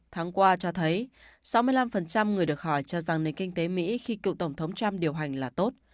tháng qua cho thấy sáu mươi năm người được hỏi cho rằng nền kinh tế mỹ khi cựu tổng thống trump điều hành là tốt